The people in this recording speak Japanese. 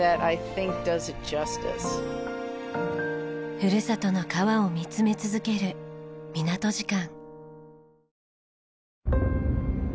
ふるさとの川を見つめ続ける港時間。